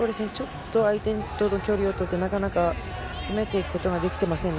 相手との距離をとってなかなか詰めていくことができていませんね。